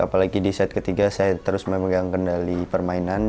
apalagi di set ketiga saya terus memegang kendali permainan